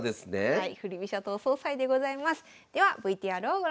はい。